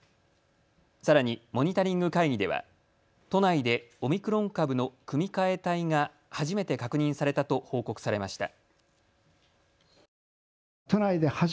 さらにモニタリング会議では都内でオミクロン株の組み換え体が初めて確認されたと報告されました。